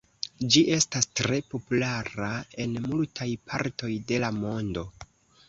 Ĝi estas tre populara en multaj partoj de la mondo.